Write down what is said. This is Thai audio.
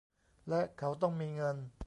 และ เขาต้องมีเงิน